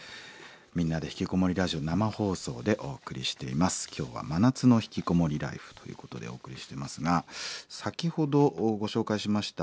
「みんなでひきこもりラジオ」生放送でお送りしています。今日は「真夏のひきこもりライフ」ということでお送りしてますが先ほどご紹介しました